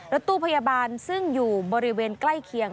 รถตู้พยาบาลซึ่งอยู่บริเวณใกล้เคียง